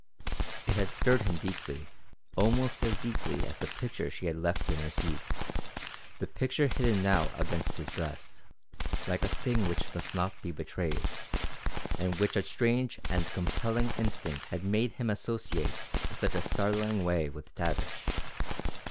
It had stirred him deeply, almost as deeply as the picture she had left in her seat the picture hidden now against his breast like a thing which must not be betrayed, and which a strange and compelling instinct had made him associate in such a startling way with Tavish.